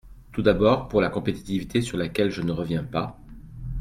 Tout d’abord, pour la compétitivité sur laquelle je ne reviens pas.